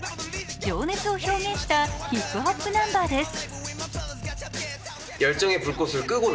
情熱を表現したヒップホップナンバーです。